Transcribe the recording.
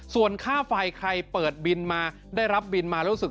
ส่วนค่าไฟใครเปิดบินมาได้รับบินมารู้สึก